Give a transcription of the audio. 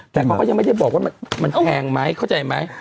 แต่เขาก็ยังไม่ได้บอกว่ามันแพงไหมเข้าใจไหม